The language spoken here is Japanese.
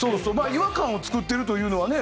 違和感を作ってるというのはね。